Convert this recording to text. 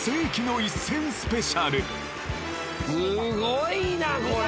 すごいなこれ！